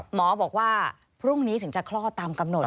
หมอบอกว่าพรุ่งนี้ถึงจะคลอดตามกำหนด